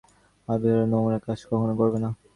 আবীর এমন নোংরা কাজ কখনো করবে না।